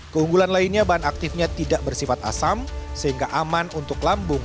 keunggulan lainnya bahan aktifnya tidak bersifat asam sehingga aman untuk lambung